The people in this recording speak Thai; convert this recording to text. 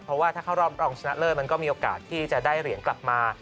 เพราะว่าถ้าเข้ารอบรองชนะเลิศมันก็มีโอกาสที่จะได้เหรียญกลับมา